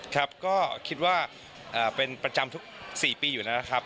ก็คิดว่าเป็นประจำทุกสี่ปีอยู่นะครับ